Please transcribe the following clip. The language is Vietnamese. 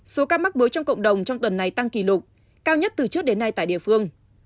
số ca mắc mới trong cộng đồng trong tuần này tăng kỷ lục cao nhất từ trước đến nay tại địa phương